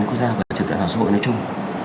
quốc gia và trực tạp hợp xã hội nói chung